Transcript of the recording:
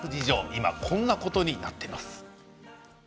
今、こんなことになっています。